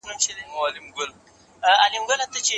عدالت د ژوند بنسټيزه برخه ده.